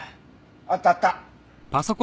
あったあった。